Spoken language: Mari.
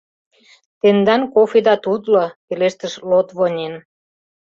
«Тендан кофеда тутло», – пелештыш Лотвонен.